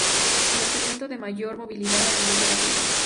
Es el segmento de mayor movilidad a nivel de la columna.